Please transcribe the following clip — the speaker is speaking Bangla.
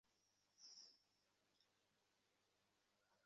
মঙ্গলা কহিল, ঠিক কথা।